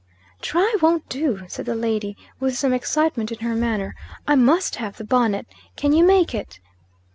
"Try won't do," said the lady, with some excitement in her manner. "I must have the bonnet. Can you make it?"